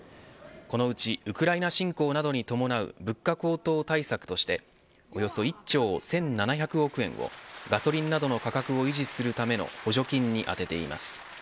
このうちウクライナ侵攻などに伴う物価高騰対策としておよそ１兆１７００億円をガソリンなどの価格を維持するための補助金に充てています。